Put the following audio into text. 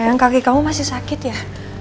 yang kaki kamu masih sakit ya